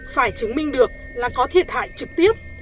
phải chứng minh được là có thiệt hại trực tiếp